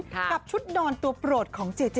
กับชุดดอนตัวโปรดของเจเจ